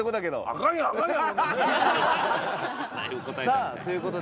さあという事で